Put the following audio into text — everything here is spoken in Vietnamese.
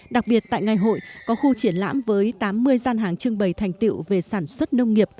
đặc biệt tại ngày hội có khu triển lãm với tám mươi gian hàng trưng bày thành tiệu về sản xuất nông nghiệp